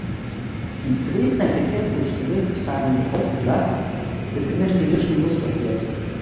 Die Dresdner Verkehrsbetriebe tragen die Hauptlast des innerstädtischen Busverkehrs.